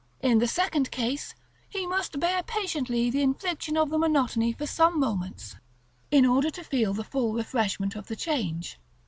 In the second case, he must bear patiently the infliction of the monotony for some moments, in order to feel the full refreshment of the change.